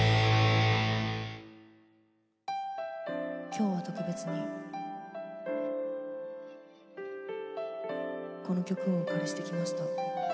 今日は特別にこの曲をお借りしてきました。